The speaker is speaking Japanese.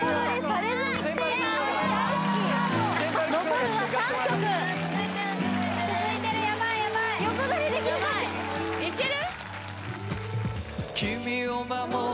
残るは３曲続いてるヤバいヤバい・いける？